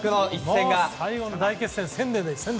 最後の大決戦。